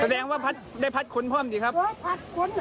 แสดงว่าพัดคุณเพิ่มดีครับพัดคุณ